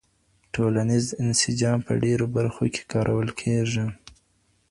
ټولنیز انسجام په ډیرو برخو کي کارول کیږي.